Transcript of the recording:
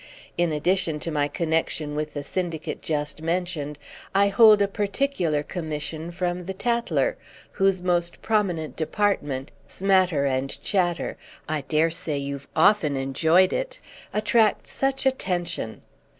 In addition to my connexion with the syndicate just mentioned I hold a particular commission from The Tatler, whose most prominent department, 'Smatter and Chatter'—I dare say you've often enjoyed it—attracts such attention.